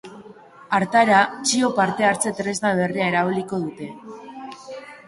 Hartara, txio partehartze tresna berria erabiliko dute.